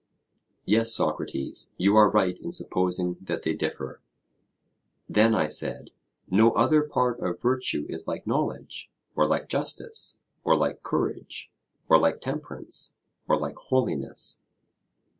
Yes, Socrates, you are right in supposing that they differ. Then, I said, no other part of virtue is like knowledge, or like justice, or like courage, or like temperance, or like holiness?